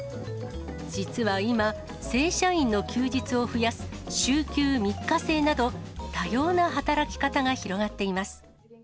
実は今、正社員の休日を増やす週休３日制など、多様な働き方が広がっています。